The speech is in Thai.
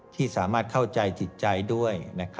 ที่สามารถเข้าใจจิตใจด้วย